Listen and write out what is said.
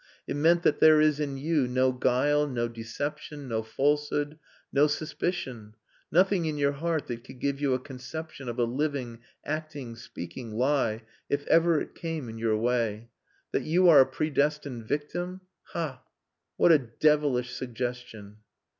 It meant that there is in you no guile, no deception, no falsehood, no suspicion nothing in your heart that could give you a conception of a living, acting, speaking lie, if ever it came in your way. That you are a predestined victim.... Ha! what a devilish suggestion!"